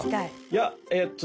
いやえっと